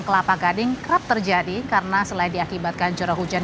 kelapa gading kerap terjadi karena selain diakibatkan curah hujan